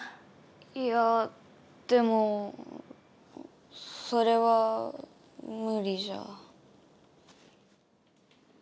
いやでもそれは無理じゃ。